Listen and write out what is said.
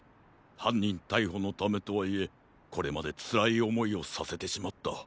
はんにんたいほのためとはいえこれまでつらいおもいをさせてしまった。